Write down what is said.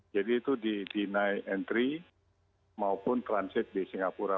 jadi itu di deny entry maupun transit di singapura